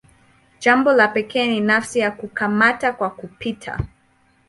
Jambo la pekee ni nafasi ya "kukamata kwa kupita".